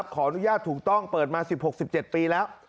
ขออนุญาตถูกต้องเปิดมา๑๖๑๗ปีแล้ว